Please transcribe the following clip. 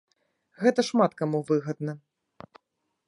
Гэта шмат каму выгадна.